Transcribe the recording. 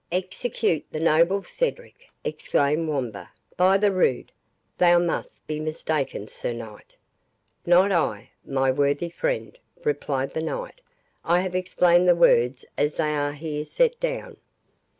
"Execute the noble Cedric!" exclaimed Wamba; "by the rood, thou must be mistaken, Sir Knight." "Not I, my worthy friend," replied the knight, "I have explained the words as they are here set down."